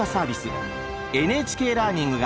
「ＮＨＫラーニング」がコラボ！